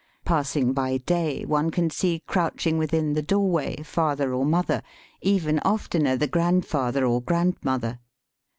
Passing by day one can see crouching within the doorway father or mother; even oftener the grandfather or grandmother.